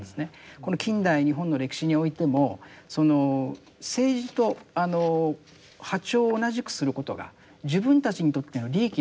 この近代日本の歴史においてもその政治と波長を同じくすることが自分たちにとっての利益なんじゃないか。